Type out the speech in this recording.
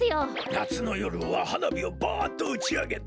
なつのよるははなびをバッとうちあげて。